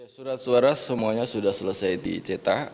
surat suara semuanya sudah selesai dicetak